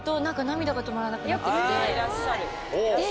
あいらっしゃる。